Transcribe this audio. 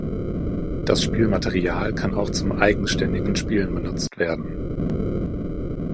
Das Spielmaterial kann auch zum eigenständigen Spielen benutzt werden.